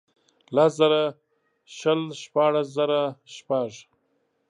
لس زره شل ، شپاړس زره شپږ.